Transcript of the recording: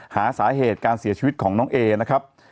หาสาเหตุการเสียชีวิตของน้องเอนะครับ